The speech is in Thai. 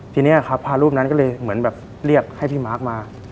ทีนี้ครับพระรูปนั้นก็เลยเหมือนแบบเรียกให้พี่มาร์คมา